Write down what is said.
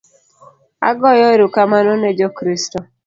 Agoyo erokamano ne jo Kristo